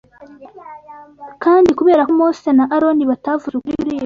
Kandi kubera ko Mose na Aroni batavuze ukuri kuri ibyo